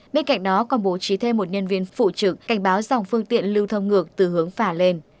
bên cạnh đó còn bố trí thêm một nhân viên phụ trực cảnh báo dòng phương tiện lưu thông ngược từ hướng phả lên